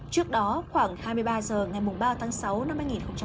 trước đó khoảng hai mươi ba h ngày ba tháng sáu năm hai nghìn hai mươi ba